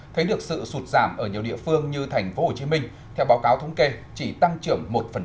thấy được sự sụt giảm ở nhiều địa phương như tp hcm theo báo cáo thống kê chỉ tăng trưởng một